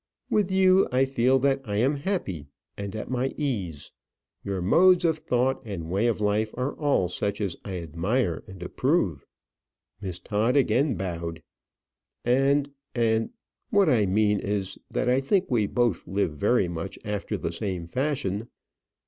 With you, I feel that I am happy, and at my ease. Your modes of thought and way of life are all such as I admire and approve," Miss Todd again bowed "and and what I mean is, that I think we both live very much after the same fashion."